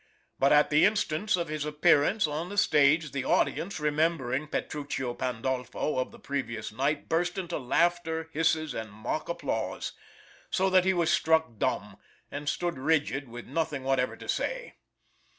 But at the instant of his appearance on the stage, the audience, remembering the Petruchio Pandolfo of the previous night, burst into laughter, hisses, and mock applause, so that he was struck dumb, and stood rigid, with nothing whatever to say.